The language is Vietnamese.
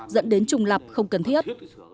dẫn đến trùng lập không cần thiết